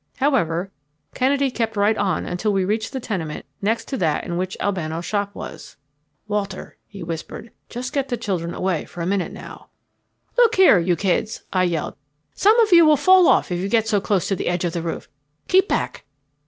However, Kennedy kept right on until we reached the tenement next to that in which Albano's shop was. "Walter," he whispered, "just get the children away for a minute now." "Look here, you kids," I yelled, "some of you will fall off if you get so close to the edge of the roof. Keep back."